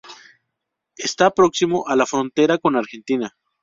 Está próximo a la frontera con Argentina.